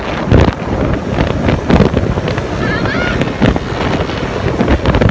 เมื่อเวลาเกิดขึ้นมันกลายเป้าหมายเป้าหมาย